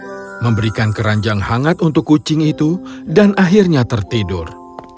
dia memberikan keranjang hangat untuk kucing itu dan akhirnya tertidur